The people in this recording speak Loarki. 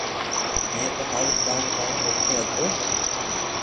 مي ٿو ھارو ڪاو ڪاو سوچيو ھتو